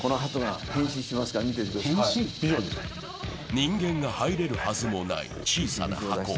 人間が入れるはずもない小さな箱。